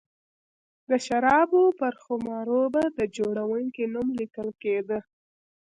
د شرابو پر خُمر و به د جوړوونکي نوم لیکل کېده